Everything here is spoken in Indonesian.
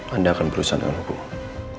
anda akan berusaha dengan hukuman